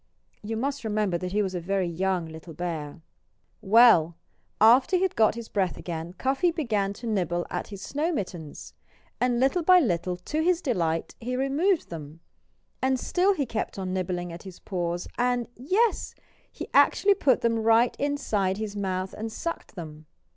You must remember that he was a very young little bear. Well! After he had got his breath again Cuffy began to nibble at his snow mittens. And little by little to his delight he removed them. And still he kept on nibbling at his paws, and yes! he actually put them right inside his mouth and sucked them.